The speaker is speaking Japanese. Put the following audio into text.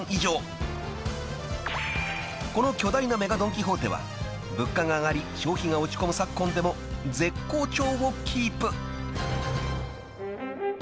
［この巨大なＭＥＧＡドン・キホーテは物価が上がり消費が落ち込む昨今でも絶好調をキープ！］